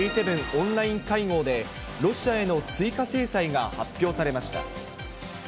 オンライン会合で、ロシアへの追加制裁が発表されました。